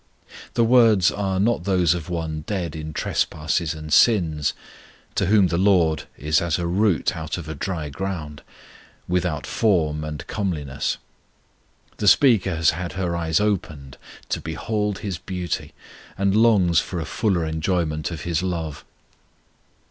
The words are not those of one dead in trespasses and sins, to whom the LORD is as a root out of a dry ground without form and comeliness. The speaker has had her eyes opened to behold His beauty, and longs for a fuller enjoyment of His love.